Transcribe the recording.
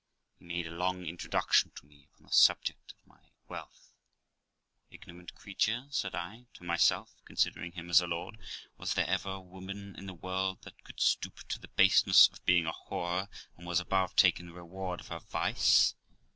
He made a long introduction to me upon the subject of my wealth. 'Ignorant creature?' said I to myself, considering him as a lord, 'was there ever woman in the world that could stoop to the baseness of being a whore, and was above taking the reward of her vice